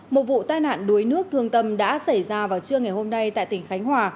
một vụ tai nạn đuối nước thương tâm đã xảy ra vào trưa ngày hôm nay tại tỉnh khánh hòa